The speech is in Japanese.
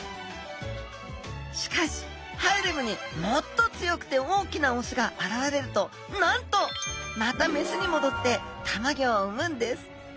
しかしハーレムにもっと強くて大きなオスが現れるとなんとまたメスに戻ってたまギョを産むんです。